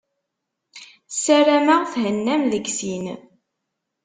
Sarameɣ thennam deg sin.